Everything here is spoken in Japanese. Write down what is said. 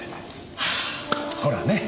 はぁほらね。